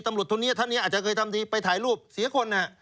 ตำรวจคนนี้ท่านนี้อาจจะเคยทำทีไปถ่ายรูปเสียคน